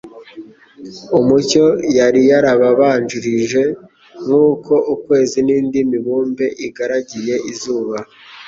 umucyo yari yarababanjirije. Nk'uko ukwezi n'indi mibumbe igaragiye izuba,